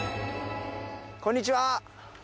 こんにちは。